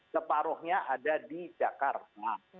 separuhnya ada di jakarta